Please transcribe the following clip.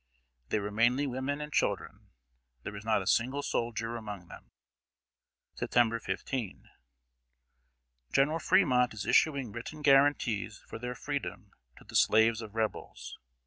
They were mainly women and children; there was not a single soldier among them. September 15. General Fremont is issuing written guarantees for their freedom to the slaves of Rebels.